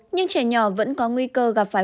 nhưng trẻ nhỏ vẫn có nguy cơ gặp phải